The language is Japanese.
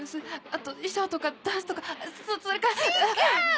あと衣装とかダンスとかそそれから。